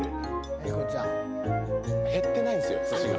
英孝ちゃん。減ってないんすよ寿司が。